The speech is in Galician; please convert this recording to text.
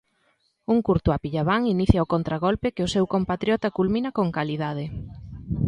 Un Curtuois pillabán inicia o contragolpe que o seu compatriota culmina con calidade.